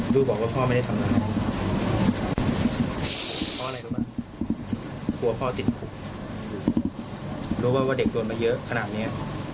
เราทำเด็กทำลูกแบบนี้